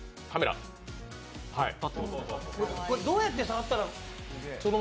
これ、どうやって触ったら。